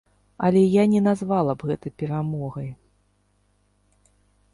Але я не назвала б гэта перамогай.